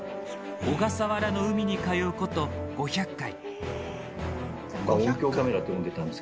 小笠原の海に通うこと５００回。